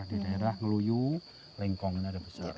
di daerah ngeluyu rengkongnya ada besar